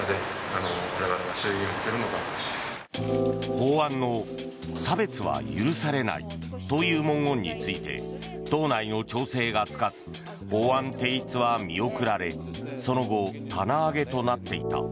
法案の、差別は許されないという文言について党内の調整がつかず法案提出は見送られその後、棚上げとなっていた。